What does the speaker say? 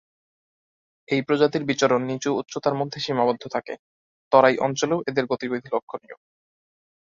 এই প্রজাতির বিচরণ নিচু উচ্চতার মধ্যে সীমাবদ্ধ থাকে, তরাই অঞ্চলেও এদের গতিবিধি লক্ষনীয়।